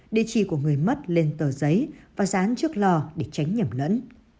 địa chỉ của người mất lên tờ giấy và dán trước lò để tránh nhầm lẫn